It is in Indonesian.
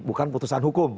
bukan potusan hukum